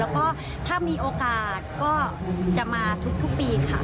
แล้วก็ถ้ามีโอกาสก็จะมาทุกปีค่ะ